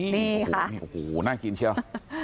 นี่ค่ะโอ้โหน่ากินเชียว